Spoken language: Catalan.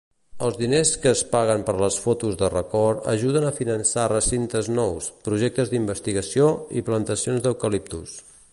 Els diners que es paguen per les fotos de record ajuden a finançar recintes nous, projectes d'investigació i plantacions d'eucaliptus.